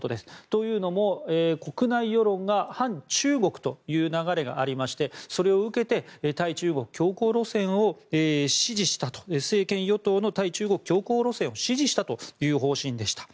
というのも、国内世論が反中国という流れがありましてそれを受けて対中国強硬路線を支持したと政権与党の対中国強硬路線を支持したという方針でした。